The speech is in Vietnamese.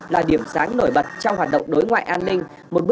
là điểm sáng nổi bật trong hoạt động đối ngoại an ninh